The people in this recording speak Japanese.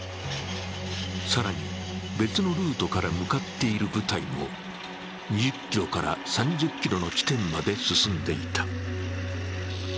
更に、別のルートから向かっている部隊も２０ｋｍから３０ｋｍの地点まで進んでいた。